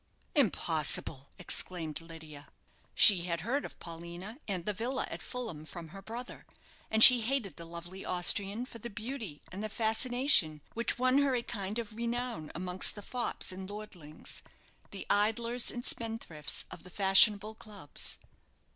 "Impossible!" exclaimed Lydia. She had heard of Paulina and the villa at Fulham from her brother, and she hated the lovely Austrian for the beauty and the fascination which won her a kind of renown amongst the fops and lordlings the idlers and spendthrifts of the fashionable clubs.